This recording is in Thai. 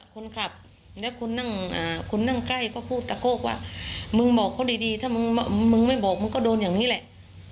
คนขับแล้วคุณนั่งคุณนั่งใกล้ก็พูดตะโกกว่ามึงบอกเขาดีถ้ามึงไม่บอกมึงก็โดนอย่างนี้แหละ